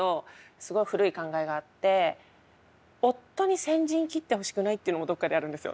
すごい古い考えがあって夫に先陣切ってほしくないっていうのもどっかであるんですよ。